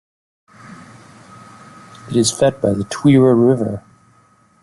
It is fed by the Tuira River.